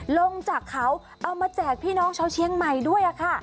ลงจากเขาเอามาแจกพี่น้องชาวเชียงใหม่ด้วยค่ะ